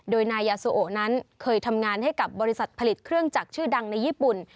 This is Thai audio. โดยนายยาโซโอนั้นเคยทำงานให้กับบริษัทผลิตเครื่องจักรชื่อดังในญี่ปุ่น